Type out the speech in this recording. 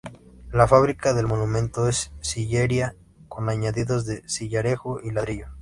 La fábrica del monumento es sillería con añadidos de sillarejo y ladrillo.